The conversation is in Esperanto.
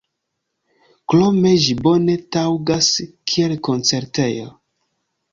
Krome ĝi bone taŭgas kiel koncertejo.